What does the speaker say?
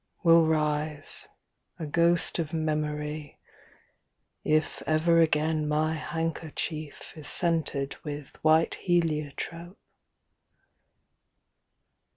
Will rise, a ghost of memory, if Ever again my handkerchief Is scented with White Heliotrope.